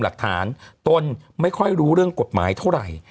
หลักฐานตนไม่ค่อยรู้เรื่องกฎหมายเท่าไหร่